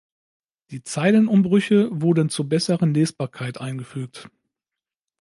Die Zeilenumbrüche wurden zur besseren Lesbarkeit eingefügt.